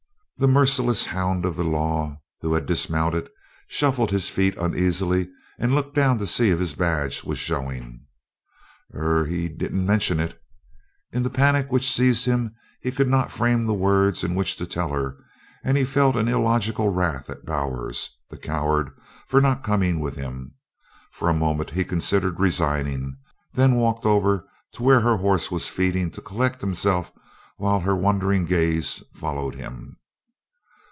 The merciless hound of the law, who had dismounted, shuffled his feet uneasily and looked down to see if his badge was showing. "Er he didn't mention it." In the panic which seized him he could not frame the words in which to tell her, and he felt an illogical wrath at Bowers the coward for not coming with him. For a moment he considered resigning, then walked over to where her horse was feeding to collect himself while her wondering gaze followed him.